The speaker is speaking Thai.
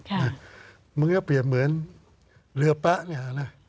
จะเหมือนเรือแป๊ะ